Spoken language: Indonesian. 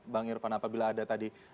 bang irvan apabila ada tadi